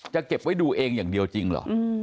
เก็บไว้ดูเองอย่างเดียวจริงเหรอ